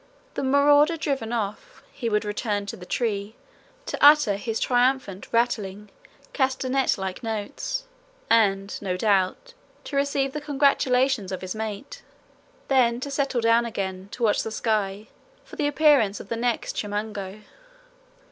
The marauder driven off, he would return to the tree to utter his triumphant rattling castanet like notes and (no doubt) to receive the congratulations of his mate; then to settle down again to watch the sky for the appearance of the next chimango.